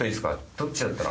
どっちだったら。